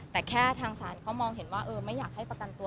แต่แค่ทางศาลเขามองเห็นว่าไม่อยากให้ประกันตัว